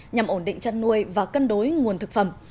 nhằm ổn định chăn nuôi và cân đối nguồn thực phẩm